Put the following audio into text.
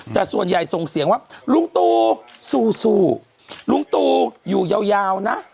แต่ส่วนใหญ่ส่งเสียงว่าลุงตูสู้สู้ลุงตูอยู่ยาวนะ